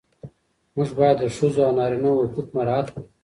موږ باید د ښځو او نارینه وو حقوق مراعات کړو.